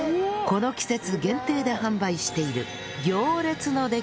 この季節限定で販売しているいいの？